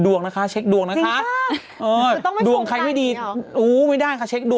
ดีน่ะกินของออร์แกนิคก็สงสารผู้ประกอบการไม่อยากไปซ้ำเติมอะไรแข็งแด๋ว